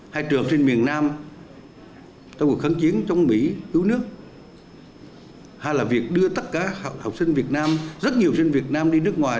hà là việc đưa tất cả học sinh việt nam rất nhiều học sinh việt nam đi nước ngoài